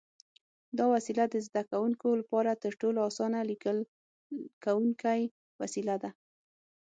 دا وسیله د زده کوونکو لپاره تر ټولو اسانه لیکل کوونکی وسیله ده.